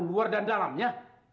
luar dan dalamnya